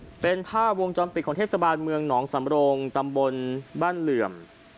เป็นภาพวงจรปิดของเทศบาลเมืองหนองสำโรงตำบลบ้านเหลื่อม